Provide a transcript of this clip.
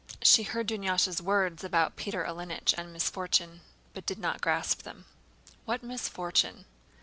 She heard Dunyásha's words about Peter Ilýnich and a misfortune, but did not grasp them. "What misfortune?